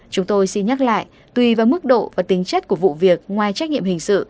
chúng tôi xin nhắc lại tùy vào mức độ và tính chất của vụ việc ngoài trách nhiệm hình sự